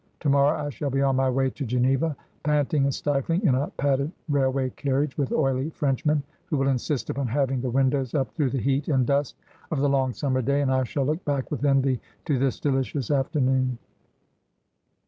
To morrow I shall be on my way to Geneva, panting and stifling in a padded railway carriage, with oily Frenchmen, who will insist upon having the windows up through the heat and dust of the long summer ^Curteis She loas, Discrete, and Debonair e.' 41 day, and I shall look back with envy to this delicious after noon.'